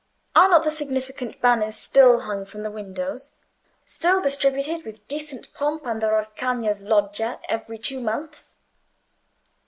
Are not the significant banners still hung from the windows—still distributed with decent pomp under Orcagna's Loggia every two months?